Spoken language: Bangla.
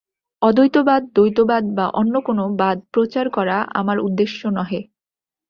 অদ্বৈতবাদ, দ্বৈতবাদ বা অন্য কোন বাদ প্রচার করা আমার উদ্দেশ্য নহে।